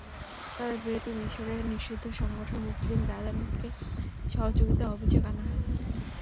তাঁদের বিরুদ্ধে মিসরে নিষিদ্ধ সংগঠন মুসলিম ব্রাদারহুডকে সহযোগিতার অভিযোগ আনা হয়।